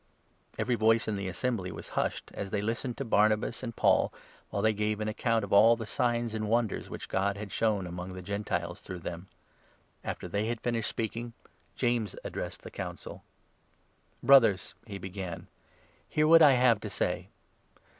Rx> Every voice in the assembly was hushed, as tfviy listened 12 to Barnabas and Paul, while they gave an account .of all the signs and wonders which God had shown among the Gentiles through them. After they had finished speaking, James 13 addressed the Council. "Brothers," he began, " hear what I have to say.